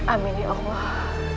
amin ya allah